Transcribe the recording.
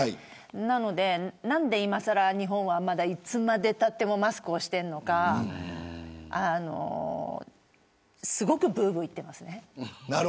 なので何で今更、日本はいつまでたってもマスクをしているのかすごくぶーぶー言ってますね。